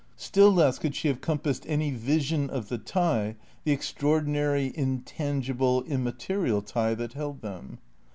Still less could she have compassed any vision of the tie the extraordinary, intangible, immaterial tie that held them.